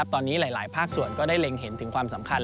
ตอนนี้หลายภาคส่วนก็ได้เล็งเห็นถึงความสำคัญ